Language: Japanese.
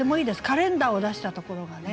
カレンダーを出したところがね。